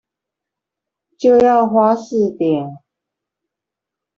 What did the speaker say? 就要花四點